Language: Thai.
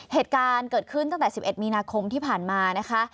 เหตุการณ์เกิดขึ้นตั้งแต่๑๑มีนาคมที่ผ่านมานะคะ